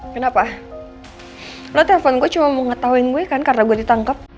kenapa lo telpon gue cuma mau ngetawain gue kan karena gue ditangkep